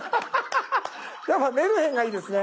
やっぱ「メルヘン」がいいですね。